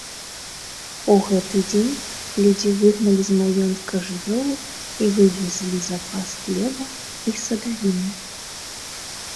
У гэты дзень людзі выгналі з маёнтка жывёлу і вывезлі запас хлеба і садавіны.